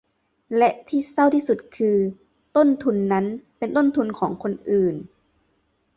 และที่เศร้าที่สุดคือ ต้นทุนนั้นเป็นต้นทุนของคนอื่น